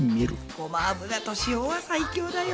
ごま油と塩は最強だよ。